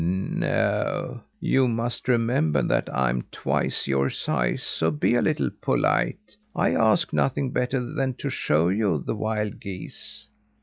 "No! you must remember that I'm twice your size so be a little polite. I ask nothing better than to show you the wild geese."